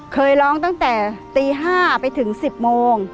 เคยร้องตั้งแต่ตี๕ไปถึง๑๐โมง